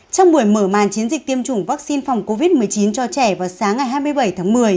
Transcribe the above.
trong buổi mở màn chiến dịch tiêm chủng vaccine phòng covid một mươi chín cho trẻ vào sáng ngày hai mươi bảy tháng một mươi